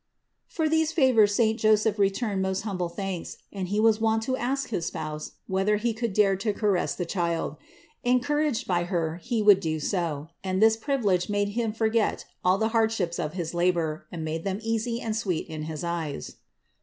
For these favors saint Joseph returned most humble thanks; and he was wont to ask his Spouse whether he could dare to caress the Child. Encouraged by Her, he would do so; and this privilege made him forget all the hardships of his labor, and made them easy and sweet in his eyes.